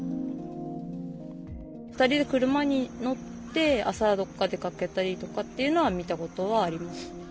２人で車に乗って、朝どこかに出かけたりっていうことは見たことはあります。